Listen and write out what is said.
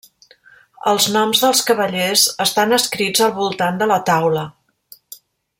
Els noms dels cavallers estan escrits al voltant de la taula.